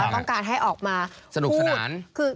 แต่ว่าต้องการให้ออกมาพูด